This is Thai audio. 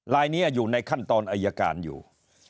ลายนี้อยู่ในขั้นตอนอายการอยู่